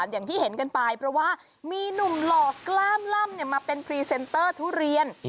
อย่างที่เห็นกันไปเพราะว่ามีหนุ่มหล่อกล้ามล่ำมาเป็นพรีเซนเตอร์ทุเรียน